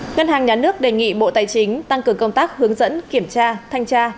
ngân hàng nhà nước đề nghị bộ tài chính tăng cường công tác hướng dẫn kiểm tra thanh tra